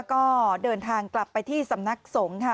ก็เดินทางกลับไปที่สำนักสงฆ์ค่ะ